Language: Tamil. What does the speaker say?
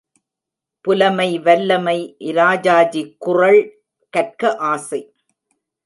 புலமை வல்லமை இராஜாஜி குறள் கற்க ஆசை!